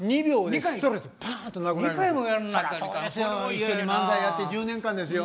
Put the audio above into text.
一緒に漫才やって１０年間ですよ。